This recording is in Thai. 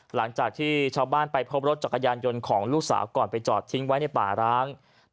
หลังจากที่ชาวบ้านไปพบรถจักรยานยนต์ของลูกสาวก่อนไปจอดทิ้งไว้ในป่าร้าง